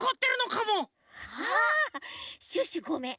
シュッシュごめん